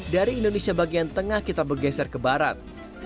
dari indonesia bagian tengah kita bergeser ke barat